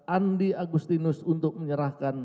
andi agustinus untuk menyerahkan